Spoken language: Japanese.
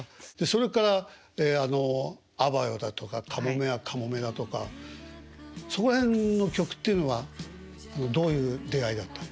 それから「あばよ」だとか「かもめはかもめ」だとかそこら辺の曲っていうのはどういう出会いだったんですか？